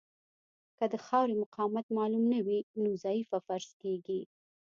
که د خاورې مقاومت معلوم نه وي نو ضعیفه فرض کیږي